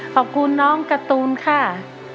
ขอบคุณน้องการ์ตูนค่ะ